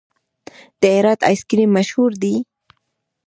د هرات آیس کریم مشهور دی؟